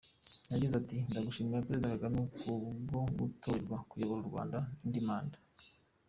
Yagize ati “Ndagushimira Perezida Kagame ku bwo gutorerwa kuyobora u Rwanda indi manda.